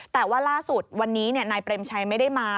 แต่ว่าล่าสุดวันนี้นายเปรมชัยไม่ได้มา